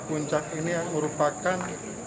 puncak ini merupakan